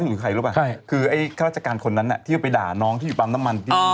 แม่ละเอาจริงนะ